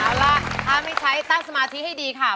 เอาล่ะถ้าไม่ใช้ตั้งสมาธิให้ดีค่ะ